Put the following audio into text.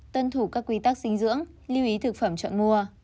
tuân thủ các quy tắc sinh dưỡng lưu ý thực phẩm chọn mua